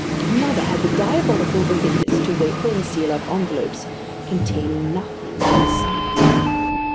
Another had the diabolical wickedness to wafer and seal up envelopes "containing nothing inside."